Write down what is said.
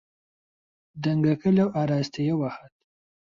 دەنگەکە لەو ئاراستەیەوە هات.